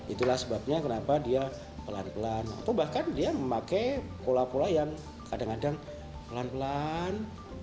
itulah sebabnya kenapa dia pelan pelan atau bahkan dia memakai pola pola yang kadang kadang pelan pelan